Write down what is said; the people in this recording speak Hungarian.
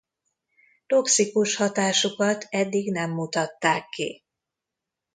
Toxikus hatásukat eddig nem mutatták ki.